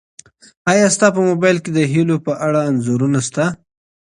ایا ستا په موبایل کي د هیلو په اړه انځورونه سته؟